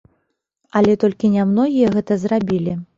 Але толькі нямногія гэта зрабілі.